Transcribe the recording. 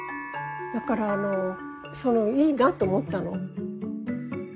だからそのいいなと思ったの。